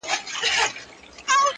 پرتكه سپينه پاڼه وڅڅېدې~